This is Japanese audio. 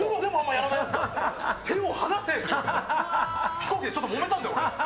飛行機でちょっともめたんだよ。